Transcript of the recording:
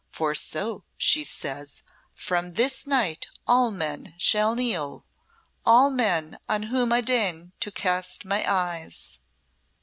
'for so,' she says, 'from this night all men shall kneel all men on whom I deign to cast my eyes.'"